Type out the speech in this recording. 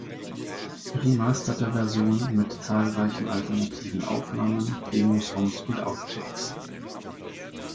Remasterte Version mit zahlreichen alternativen Aufnahmen, Demosongs und Outtakes.